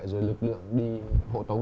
rồi lực lượng đi hộ tống